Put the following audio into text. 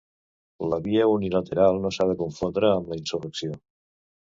La via unilateral no s’ha de confondre amb la insurrecció.